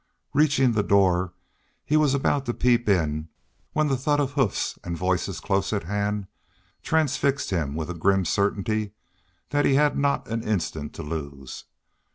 Reaching the door, he was about to peep in when the thud of hoofs and voices close at hand transfixed him with a grim certainty that he had not an instant to lose.